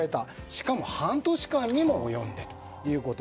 しかも半年間にも及んでということ。